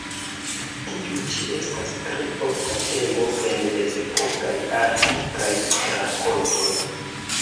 Tiu ĉi estas tre ofta temo en mezepokaj arto kaj rakontoj.